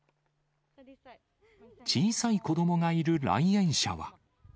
小さい子どもがいる来園者は。